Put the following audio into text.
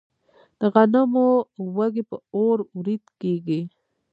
د غنمو وږي په اور وریت کیږي.